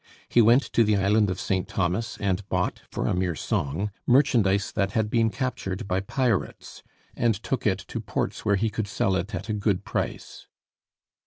He went to the Island of St. Thomas and bought, for a mere song, merchandise that had been captured by pirates, and took it to ports where he could sell it at a good price.